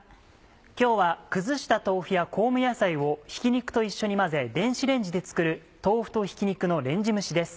今日は崩した豆腐や香味野菜をひき肉と一緒に混ぜ電子レンジで作る「豆腐とひき肉のレンジ蒸し」です。